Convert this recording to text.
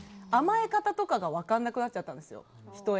甘え方とかが分からなくなっちゃったんです。